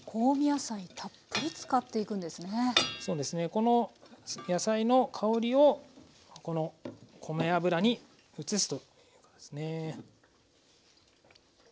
この野菜の香りをこの米油に移すということですね。